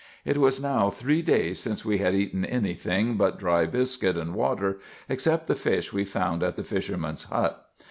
It was now three days since we had eaten any thing but dry biscuit and water, except the fish we found at the fishermen's hut.